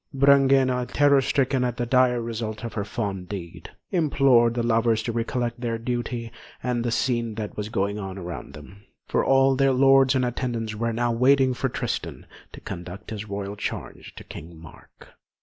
Brangæna, terror stricken at the dire result of her fond deed, implored the lovers to recollect their duty and the scene that was going on around them, for all their lords and attendants were now waiting for Tristan to conduct his royal charge to King Mark.